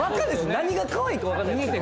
何がかわいいかわかんないですけど。